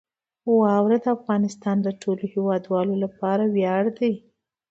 واوره د افغانستان د ټولو هیوادوالو لپاره ویاړ دی.